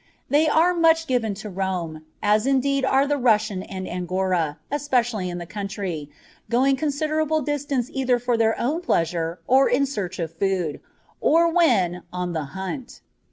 They are much given to roam, as indeed are the Russian and Angora, especially in the country, going considerable distances either for their own pleasure or in search of food, or when "on the hunt."